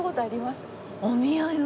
お見合いは。